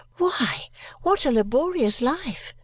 "Why, what a laborious life!"